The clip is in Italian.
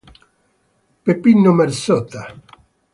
Brian Brown